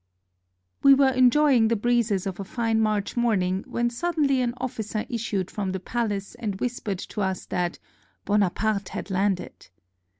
] We were enjoying the breezes of a fine March morning when suddenly an officer issued from the palace and whispered to us that Bonaparte had landed!